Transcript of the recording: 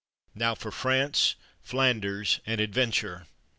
Now for France, Flanders, and adventure.